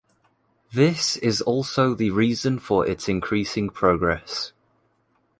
This is also the reason for its increasing progress